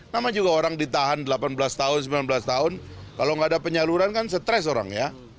nama juga orang ditahan delapan belas tahun sembilan belas tahun kalau nggak ada penyaluran kan stres orang ya